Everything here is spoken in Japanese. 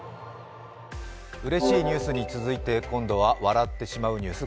うれしいニュースに続いて今度は笑ってしまうニュース